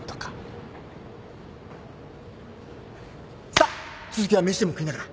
さあ続きは飯でも食いながら。